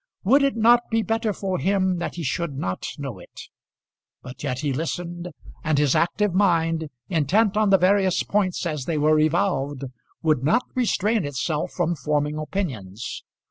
Would it not be better for him that he should not know it? But yet he listened, and his active mind, intent on the various points as they were evolved, would not restrain itself from forming opinions.